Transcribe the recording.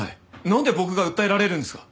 なんで僕が訴えられるんですか？